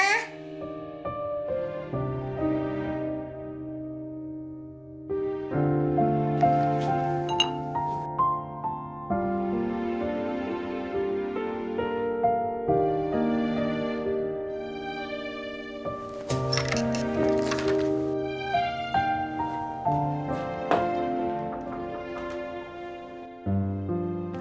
kalau pas sama reina